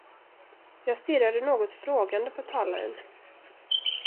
Jag stirrade något frågande på talaren.